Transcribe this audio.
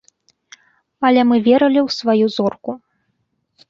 Але мы верылі ў сваю зорку.